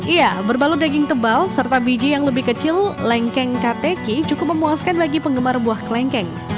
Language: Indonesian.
iya berbalut daging tebal serta biji yang lebih kecil lengkeng kateki cukup memuaskan bagi penggemar buah kelengkeng